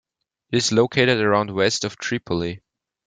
It is located around west of Tripoli.